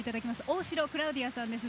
大城クラウディアさんです。